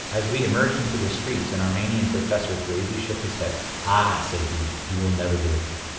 As we emerged into the streets an Armenian professor gravely shook his head. "Ah," said he, "you will never do it."